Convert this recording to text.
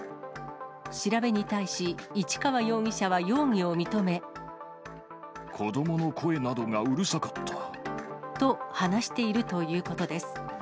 調べに対し、子どもの声などがうるさかっと話しているということです。